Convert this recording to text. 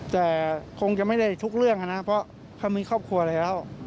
แต่คงจะไม่ได้ทุกเรื่องนะเพราะเขามีครอบครัวแล้ว